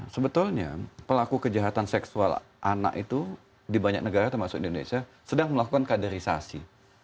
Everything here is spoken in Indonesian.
sebetulnya pelaku kejahatan seksual anak itu di banyak negara termasuk indonesia sedang melakukan kaderisasi